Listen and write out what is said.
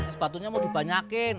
es batunya mau dibanyakin